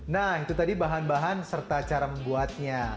nah itu tadi bahan bahan serta cara membuatnya